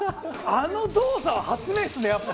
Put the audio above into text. あの動作は発明ですねやっぱ。